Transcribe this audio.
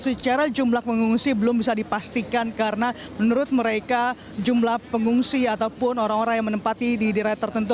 secara jumlah pengungsi belum bisa dipastikan karena menurut mereka jumlah pengungsi ataupun orang orang yang menempati di daerah tertentu